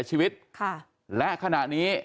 ใช่ค่ะ